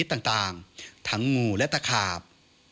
สร้างผิดเท่าไหร่